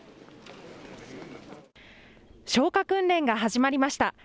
消火訓練が始まりました。